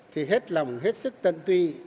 thì hết lòng hết sức tân tuy